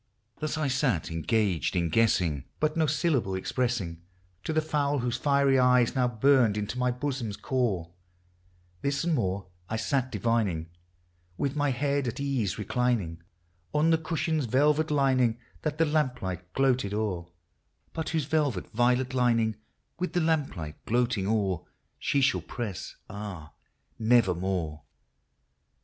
This I sat engaged in guessing, but no syllable expressing To the fowl whose fiery eyes now burned into my bosom's core ; This and more I sat divining, with my head at ease reclining On the cushion's velvet lining that the lamplight gloated o'er, But whose velvet violet lining, with the lamplight gloating o'er, She shall press — ah ! nevermore